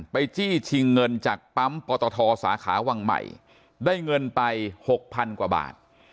จี้ชิงเงินจากปั๊มปตทสาขาวังใหม่ได้เงินไปหกพันกว่าบาท